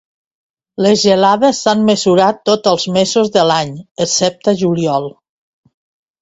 Les gelades s'han mesurat tots els mesos de l'any excepte el juliol.